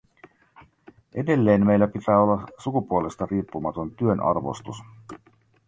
Edelleen meillä pitää olla sukupuolesta riippumaton työnarvostus.